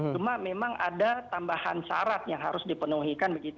cuma memang ada tambahan syarat yang harus dipenuhi